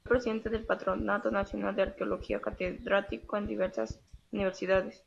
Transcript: Fue presidente del Patronato Nacional de Arqueología y catedrático en diversas universidades.